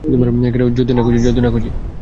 যদি না খুঁজি?